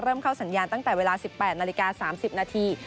เข้าสัญญาณตั้งแต่เวลา๑๘นาฬิกา๓๐นาที